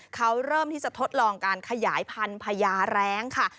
เขาเริ่มที่จะทดลองการขยายพันธุ์พญาแร้งค่ะ